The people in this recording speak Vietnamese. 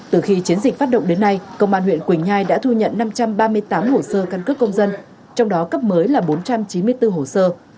từ khi chiến dịch phát động đến nay công an huyện quỳnh nhai đã thu nhận năm trăm ba mươi tám hồ sơ căn cước công dân trong đó cấp mới là bốn trăm chín mươi bốn hồ sơ